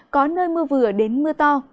có nơi mưa vừa đến mưa to